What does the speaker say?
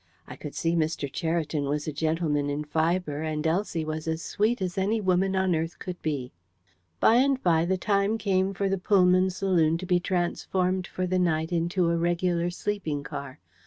I could see Mr. Cheriton was a gentleman in fibre, and Elsie was as sweet as any woman on earth could be. By and by, the time came for the Pullman saloon to be transformed for the night into a regular sleeping car.